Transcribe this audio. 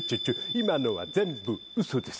今のは全部嘘です。